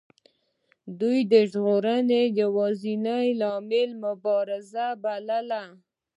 دوی د ژغورنې یوازینۍ لار مبارزه بلله.